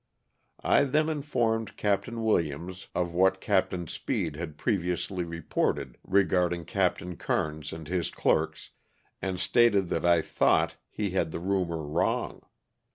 I then informed Capt. Williams of what Capt. Speed had previously reported regarding Capt. Kernes and his clerks, and stated that I thought he had the rumor wrong.